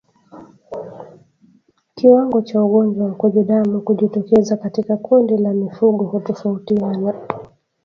Kiwango cha ugonjwa wa mkojo damu kujitokeza katika kundi la mifugo hutofautiana